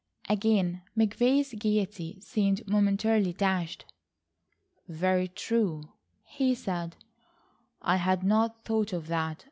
Again McVay's gaiety seemed momentarily dashed. "Very true," he said, "I had not thought of that.